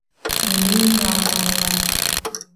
Мине еңә алманылар.